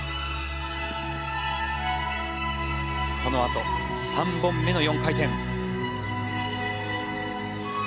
このあと３本目の４回転。